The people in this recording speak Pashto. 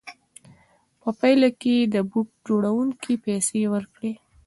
په پایله کې یې د بوټ جوړوونکي پیسې ورکړې